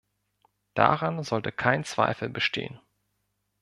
Daran sollte kein Zweifel bestehen.